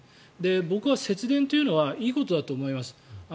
僕は節電というのはいいことだと思います。